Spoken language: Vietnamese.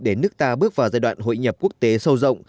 để nước ta bước vào giai đoạn hội nhập quốc tế sâu rộng